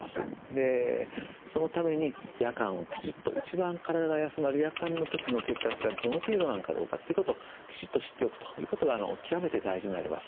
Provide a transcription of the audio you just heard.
でそのために夜間をきちっと一番体が休まる夜間の時の血圧がどの程度なのかどうかっていうことをきちっと知っておくということが極めて大事になります。